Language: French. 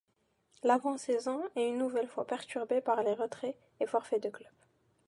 L'avant-saison est une nouvelle fois perturbée par les retraits et forfaits de clubs.